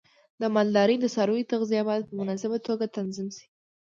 د مالدارۍ د څارویو تغذیه باید په مناسبه توګه تنظیم شي.